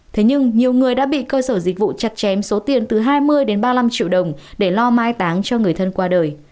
thế nhưng nhiều người đã bị cơ sở dịch vụ chặt chém số tiền từ hai mươi đến ba mươi năm triệu đồng để lo mai táng cho người thân qua đời